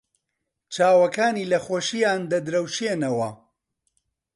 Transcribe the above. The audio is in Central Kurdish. چاوەکانی لە خۆشییان دەدرەوشێنەوە.